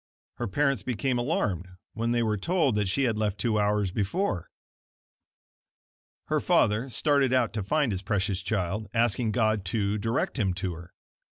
Her parents became alarmed when they were told that she had left two hours before. Her father started out to find his precious child, asking God to direct him to her.